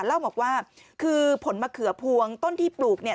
เล่าบอกว่าคือผลมะเขือพวงต้นที่ปลูกเนี่ย